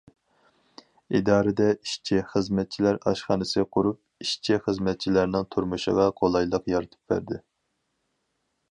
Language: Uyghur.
ئىدارىدە ئىشچى- خىزمەتچىلەر ئاشخانىسى قۇرۇپ، ئىشچى- خىزمەتچىلەرنىڭ تۇرمۇشىغا قولايلىق يارىتىپ بەردى.